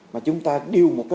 mà chúng ta điều một lần